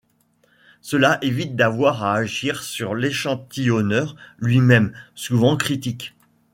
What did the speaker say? Cela évite d'avoir à agir sur l'échantillonneur lui-même, souvent critique.